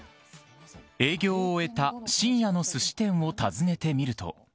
営業を終えた深夜のすし店を訪ねてみると。